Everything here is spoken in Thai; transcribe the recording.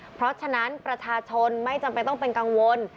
เพราะฉะนั้นประชาชนไม่จำเป็นต้องเป็นกังวล